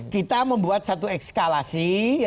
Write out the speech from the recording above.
kita membuat satu ekskalasi